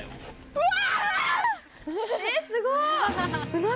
うわ！